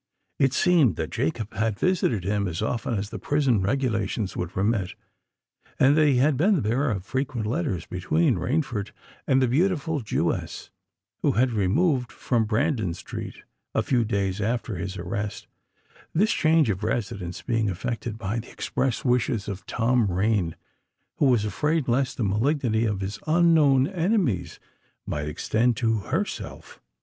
It seemed that Jacob had visited him as often as the prison regulations would permit; and that he had been the bearer of frequent letters between Rainford and the beautiful Jewess, who had removed from Brandon Street a few days after his arrest—this change of residence being effected by the express wishes of Tom Rain, who was afraid lest the malignity of his unknown enemies might extend to herself.